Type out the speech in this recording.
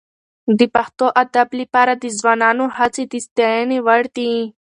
د پښتو ادب لپاره د ځوانانو هڅې د ستاینې وړ دي.